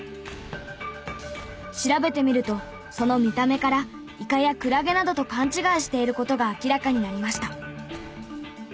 調べてみるとその見た目からイカやクラゲなどと勘違いしている事が明らかになりました。